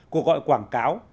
cuộc gọi quảng cáo